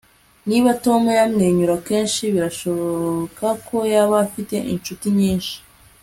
Niba Tom yamwenyura kenshi birashoboka ko yaba afite inshuti nyinshi